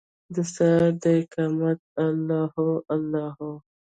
دسهار داقامته الله هو، الله هو